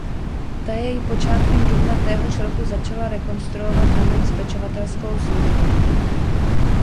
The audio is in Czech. Ta jej počátkem dubna téhož roku začala rekonstruovat na dům s pečovatelskou službou.